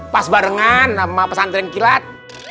pas barengan sama pesantren kilat